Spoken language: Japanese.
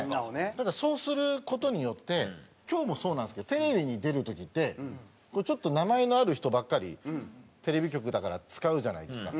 ただそうする事によって今日もそうなんですけどテレビに出る時ってちょっと名前のある人ばっかりテレビ局だから使うじゃないですか。